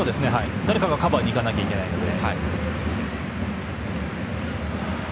誰かがカバーにいかないといけないので。